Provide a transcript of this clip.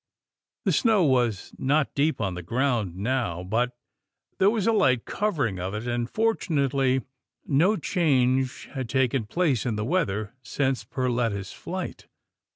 The snow was not deep on the ground now, but there was a light covering of it, and fortunately no change had taken place in the weather since Per letta's flight.